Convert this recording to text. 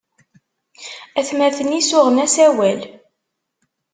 Atmaten-is uɣen-as awal.